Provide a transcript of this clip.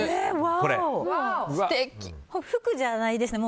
これ、服じゃないですね。